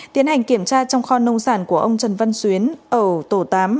tiến hành kiểm tra trong kho nông sản của ông trần văn xuyến ở tổ tám